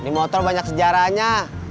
ini motor banyak sejarahnya